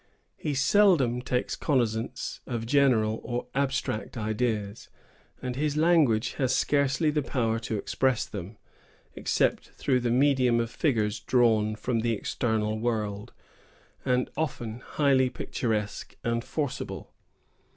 He seldom takes cognizance of general or abstract ideas; and his language has scarcely the power to express them, except through the medium of figures drawn from the external world, and often highly picturesque and forcible.